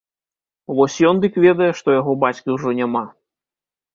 Вось ён дык ведае, што яго бацькі ўжо няма!